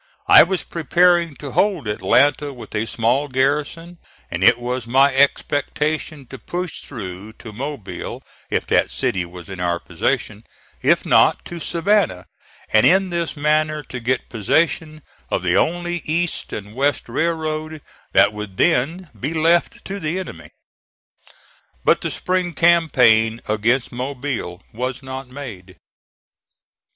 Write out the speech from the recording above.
I was preparing to hold Atlanta with a small garrison, and it was my expectation to push through to Mobile if that city was in our possession: if not, to Savannah; and in this manner to get possession of the only east and west railroad that would then be left to the enemy. But the spring campaign against Mobile was not made.